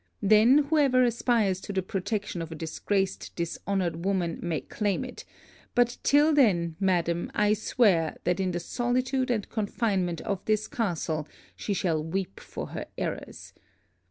Then, whoever aspires to the protection of a disgraced dishonoured woman may claim it; but till then, madam, I swear that, in the solitude and confinement of this castle, she shall weep for her errors.